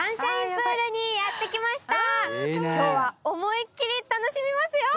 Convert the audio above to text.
「今日は思いっ切り楽しみますよ！